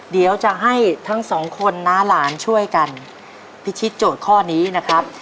เดี๋ยวจะให้ทั้งสองคนน้าหลานช่วยกันพิชิตโจทย์ข้อนี้นะครับ